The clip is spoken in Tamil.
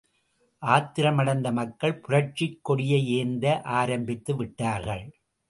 ஆத்திரமடைந்த மக்கள் புரட்சிக் கொடியை ஏந்த ஆரம்பித்து விட்டார்கள்.